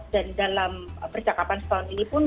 dan dalam percakapan setahun ini pun